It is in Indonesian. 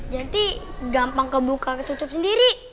jadi gampang kebuka ketutup sendiri